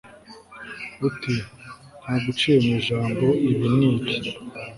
uti «ntaguciye mu ijambo» ibi n'ibi